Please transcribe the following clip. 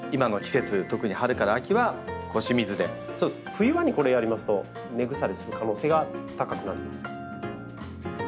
冬場にこれやりますと根腐れする可能性が高くなるんです。